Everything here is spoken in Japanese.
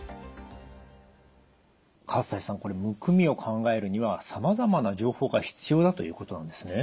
西さんこれむくみを考えるにはさまざまな情報が必要だということなんですね。